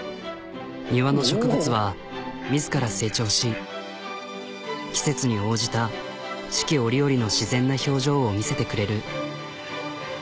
庭の植物は自ら成長し季節に応じた四季折々の自然な表情を見せてくれる。